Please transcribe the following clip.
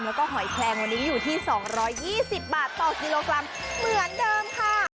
แล้วก็หอยแคลงวันนี้อยู่ที่๒๒๐บาทต่อกิโลกรัมเหมือนเดิมค่ะ